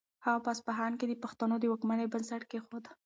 هغه په اصفهان کې د پښتنو د واکمنۍ بنسټ کېښود.